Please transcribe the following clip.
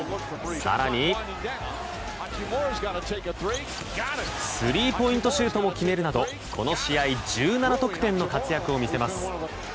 更に、スリーポイントシュートも決めるなどこの試合１７得点の活躍を見せます。